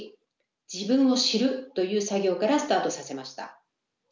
自分を知るという作業からスタートさせました。